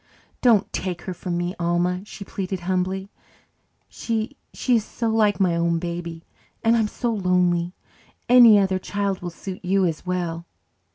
"Don't take her from me, Alma," she pleaded humbly. "She she is so like my own baby and I'm so lonely. Any other child will suit you as well."